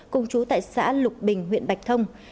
cùng chú tại xã lục bình huyện bạch thông